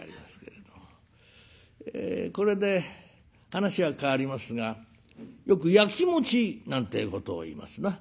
これで話は変わりますがよくやきもちなんてえことをいいますな。